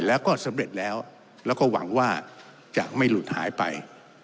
แล้วก็สำเร็จแล้วแล้วก็หวังว่าจะไม่หลุดหายไป